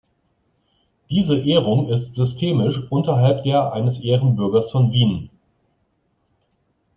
Diese Ehrung ist systemisch unterhalb der eines Ehrenbürgers von Wien.